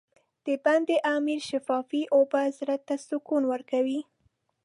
د بند امیر شفافې اوبه زړه ته سکون ورکوي.